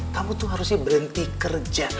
kamu tuh harusnya berhenti kerja